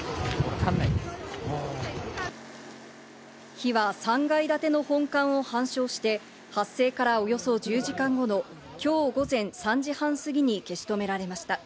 火は３階建ての本館を半焼して、発生からおよそ１０時間後の今日午前３時半過ぎに消し止められました。